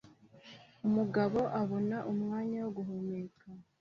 Umugabo abona umwanya wo guhumeka